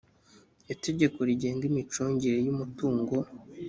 itegeko rigenga imicungire y umutungo